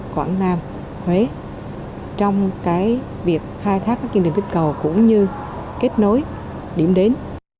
quảng nam huế trong việc khai thác các kinh tế kích cầu cũng như kết nối điểm đến